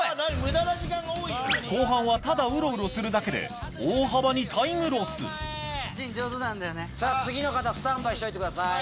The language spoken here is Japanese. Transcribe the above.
後半はただウロウロするだけで大幅にタイムロスさぁ次の方スタンバイしといてください。